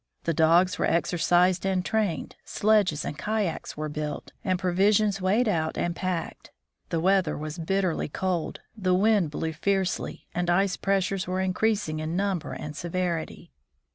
The dogs were exercised and trained, sledges and kayaks were built, and provisions weighed out and packed. The weather was bitterly cold, the wind blew fiercely, and ice pressures were increasing in number and severity.